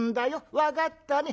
分かったね。